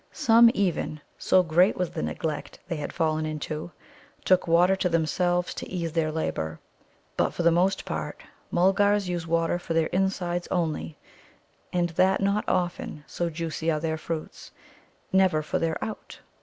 Some even, so great was the neglect they had fallen into, took water to themselves to ease their labour. But for the most part Mulgars use water for their insides only (and that not often, so juicy are their fruits), never for their out.